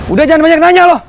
udah jangan banyak nanya loh